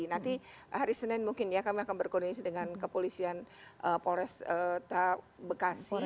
nanti hari senin mungkin ya kami akan berkoordinasi dengan kepolisian polres bekasi